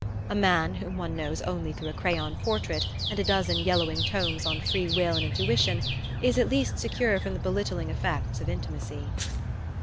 A man whom one knows only through a crayon portrait and a dozen yellowing, tomes on free will and intuition is at least secure from the belittling effects of intimacy.